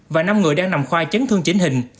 và năm người đang nằm khoa chấn thương chính hình